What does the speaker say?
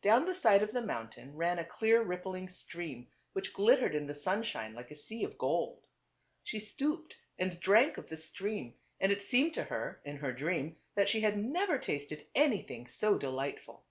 Down the side of the mountain rail a clear rip pling stream which glittered in the sunshine like a sea of gold. She stooped and drank of the stream and it seemed to her, in her dream, that she had never tasted anything so delightful.